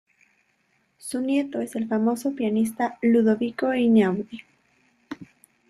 Su nieto es el famoso pianista Ludovico Einaudi.